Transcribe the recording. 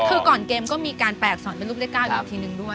คือก่อนเกมก็มีการแปลกสอนเป็นรูปเลข๙อีกทีนึงด้วย